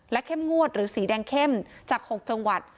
และเข้มงวดสีแดงเข้มจาก๖จังหวัด